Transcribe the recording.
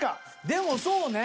でもそうね。